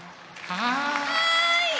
はい！